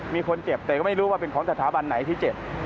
มีคนเจ็บแต่ก็ไม่รู้ว่าเป็นของสถาบันไหนที่เจ็บ